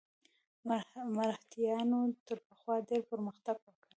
مرهټیانو تر پخوا ډېر پرمختګ وکړ.